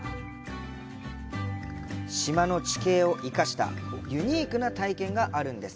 島の地形を生かしたユニークな体験があるんです。